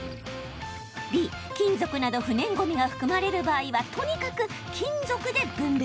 Ｂ・金属など不燃ごみが含まれる場合は、とにかく金属で分別。